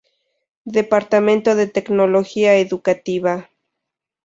Departamento de Tecnología Educativa.